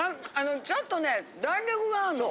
ちょっとね弾力があんの。